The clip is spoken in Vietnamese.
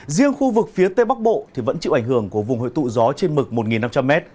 riêng khu vực phía tây bắc bộ vẫn chịu ảnh hưởng của vùng hội tụ gió trên mực một năm trăm linh m